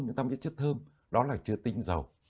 chúng ta biết chất thơm đó là chứa tinh dầu